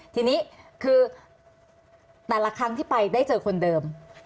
ทีนี้คือแต่ละครั้งที่ไปได้เจอคนเดิม